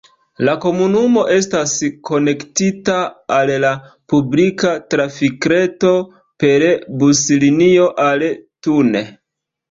La komunumo estas konektita al la publika trafikreto per buslinio al Thun.